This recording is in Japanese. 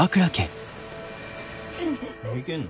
もういけんの？